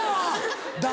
「誰？